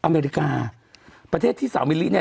อเมริกาประเทศที่สาวมิลลิเนี่ย